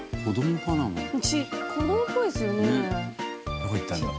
どこ行ったんだろう？